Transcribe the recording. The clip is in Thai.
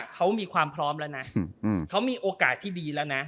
เขามีโอกาสที่ดีแล้วนะ